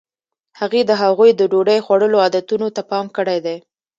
هغې د هغوی د ډوډۍ خوړلو عادتونو ته پام کړی دی.